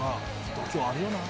度胸あるよな。